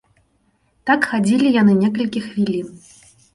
Так хадзілі яны некалькі хвілін.